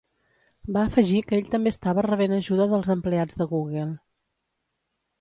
Va afegir que ell també estava rebent ajuda dels empleats de Google.